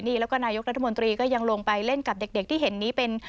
นี่แล้วก็นายกรัฐมนตรีก็ยังลงไปเล่นกับเด็กที่เห็นนี้เป็น